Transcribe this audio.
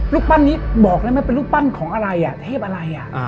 รูปปั้นนี้บอกได้ไหมเป็นรูปปั้นของอะไรอ่ะเทพอะไร